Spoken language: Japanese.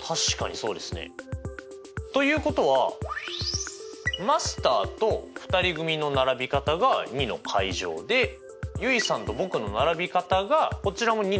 確かにそうですね。ということはマスターと２人組の並び方が２！で結衣さんと僕の並び方がこちらも２！